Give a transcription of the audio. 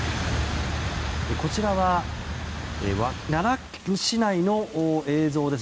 こちらは、奈良市内の映像です。